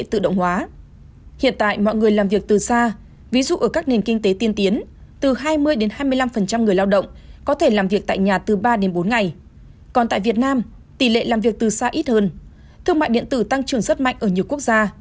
thương mại điện tử tăng trưởng rất mạnh ở nhiều quốc gia